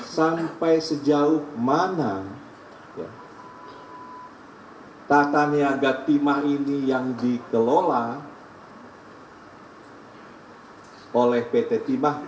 sampai sejauh mana tata niaga timah ini yang dikelola oleh pt timah